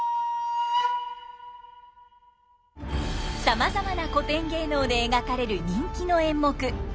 さまざまな古典芸能で描かれる人気の演目「三番叟」。